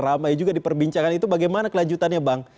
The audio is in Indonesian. ramai juga diperbincangkan itu bagaimana kelanjutannya bang